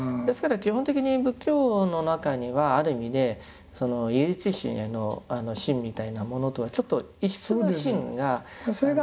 基本的に仏教の中にはある意味で唯一神への信みたいなものとはちょっと異質な信が存在してた。